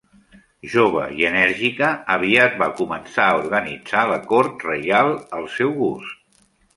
Jove i energètica, aviat va començar a organitzar la cort reial al seu gust.